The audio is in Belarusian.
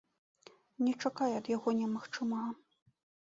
Не чакай ад яго немагчымага.